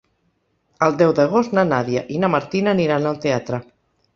El deu d'agost na Nàdia i na Martina aniran al teatre.